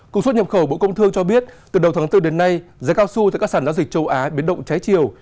cùng suốt nhập khẩu bộ công thương cho biết từ đầu tháng bốn đến nay giá cao su từ các sản giao dịch châu á biến động trái chiều